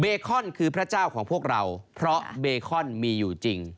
คอนคือพระเจ้าของพวกเราเพราะเบคอนมีอยู่จริง